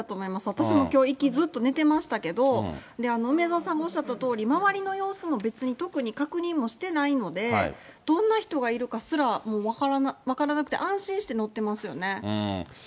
私もきょう、行き、ずっと寝てましたけど、梅沢さんもおっしゃったとおり、周りの様子も別に特に確認もしていないので、どんな人がいるかすら、もう分からなくて、安心して乗っていますよね。